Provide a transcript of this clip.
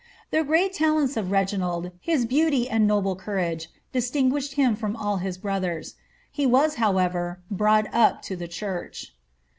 * The great talents of Reginald, his beauty and noble courage, distinguished him from all his brothers. He was, how ever, brought up to the church.